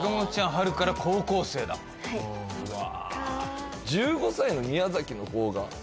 春から高校生だはいうわ